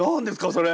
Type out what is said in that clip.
それ。